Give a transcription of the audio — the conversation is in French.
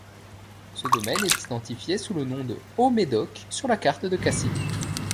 Ce domaine est identifié sous le nom de Haut-Médoc sur la carte de Cassini.